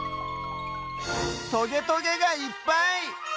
トゲトゲがいっぱい！